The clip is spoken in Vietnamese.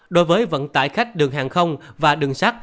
đối với vận tải khách đường hàng không và đường sắt